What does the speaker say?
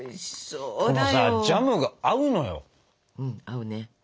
うん合うね。